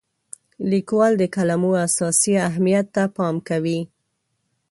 لیکوال د کلمو اساسي اهمیت ته پام کوي.